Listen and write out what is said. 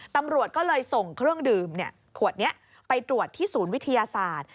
ตำรวจก็เลยส่งเครื่องดื่มขวดนี้ไปตรวจที่ศูนย์วิทยาศาสตร์